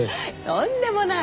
とんでもない！